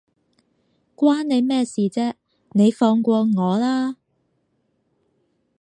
關你咩事啫，你放過我啦